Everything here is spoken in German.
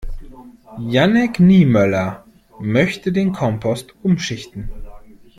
Jannick Niemöller möchte den Kompost umschichten.